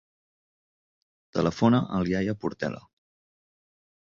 Telefona al Yahya Portela.